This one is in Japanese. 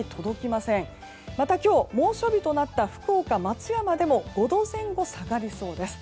また今日、猛暑日となった福岡、松山でも５度前後、下がりそうです。